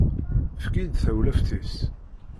Efk-iyi-d tawlaft-is.